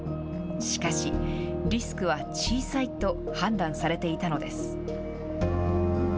しかし、リスクは小さいと判断されていたのです。